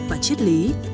và triết lý